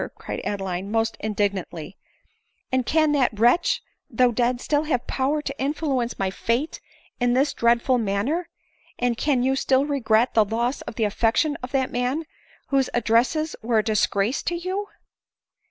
cried Adeline, almost indignantly, " and can that wretch, though dead, still have power to influence my fate in this dreadful manner? and can you still regret the loss of the affection of that man,' whose addresses were a disgrace to you